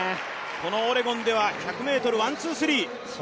このオレゴンでは１００ｍ、ワン・ツー・スリー。